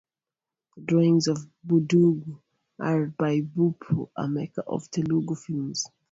The drawings of Budugu are by Bapu, a maker of Telugu films.